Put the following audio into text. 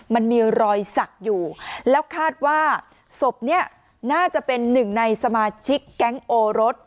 มันมีรอยสักอยู่แล้วคาดว่าศพนี้น่าจะเป็นหนึ่งในสมาชิกแก๊งโอรส